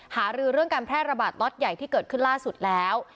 หารือเรื่องการแพร่ระบาดล็อตใหญ่ที่เกิดขึ้นล่าสุดแล้ว